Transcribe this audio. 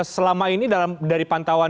selama ini dari pantauan